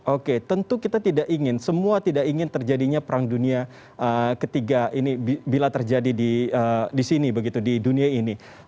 oke tentu kita tidak ingin semua tidak ingin terjadinya perang dunia ketiga ini bila terjadi di sini begitu di dunia ini